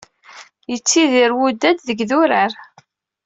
Yettidir wudad deg yidurar.